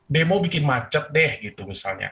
demo bikin macet deh gitu misalnya